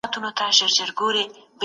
نصیب مي نه و پر وزر د بورا نه راځمه